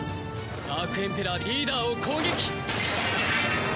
ダークエンペラーでリーダーを攻撃！